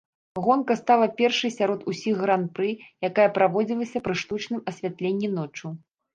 Гонка стала першай сярод усіх гран-пры, якая праводзілася пры штучным асвятленні ноччу.